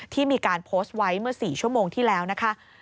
ที่มีการโพสต์ไว้เมื่อ๔ชั่วโมงที่แล้วนะคะ